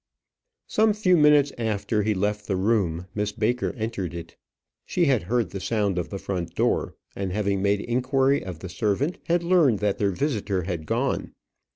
Some few minutes after he had left the room, Miss Baker entered it. She had heard the sound of the front door, and having made inquiry of the servant, had learned that their visitor had gone.